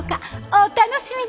お楽しみに。